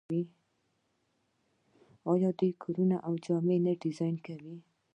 آیا دوی کورونه او جامې نه ډیزاین کوي؟